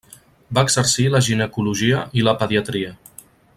Va exercir la ginecologia i la pediatria.